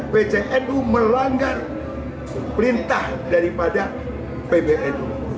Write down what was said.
pcnu melanggar perintah daripada pbnu